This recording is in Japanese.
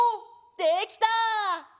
できた！